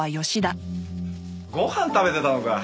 ご飯食べてたのか。